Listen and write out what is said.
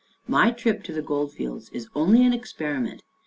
My trip to the Gold Fields is only an experi ment.